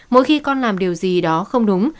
mỗi khi con làm điều gì đó không đúng